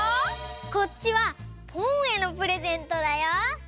こっちはポンへのプレゼントだよ。